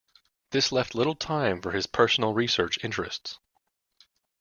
This left little time for his personal research interests.